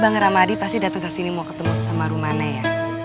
bang ramadi pasti dateng kesini mau ketemu sama rumane ya